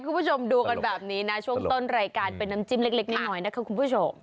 คุณผู้ชมดูกันแบบนี้นะช่วงต้นรายการเป็นน้ำจิ้มเล็กน้อยนะคะคุณผู้ชม